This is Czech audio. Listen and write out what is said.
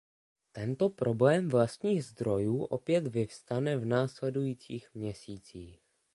Tento problém vlastních zdrojů opět vystane v následujících měsících.